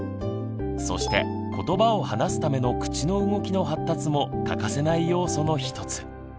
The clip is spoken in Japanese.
そしてことばを話すための口の動きの発達も欠かせない要素の一つ。